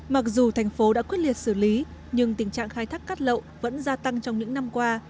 mặc dù thành phố đã quyết liệt xử lý nhưng tình trạng khai thác cát lậu vẫn gia tăng trong những năm qua